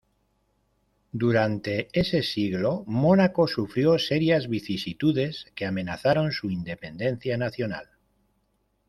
Durante ese siglo, Mónaco sufrió serias vicisitudes que amenazaron su independencia nacional.